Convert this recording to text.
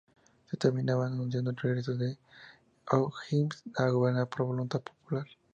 Se terminaba anunciando el regreso de O'Higgins a gobernar por voluntad popular.